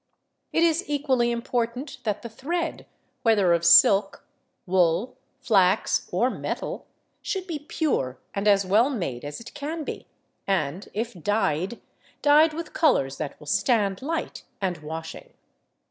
It is equally important that the thread, whether of silk, wool, flax, or metal, should be pure and as well made as it can be, and, if dyed, dyed with colours that will stand light and washing.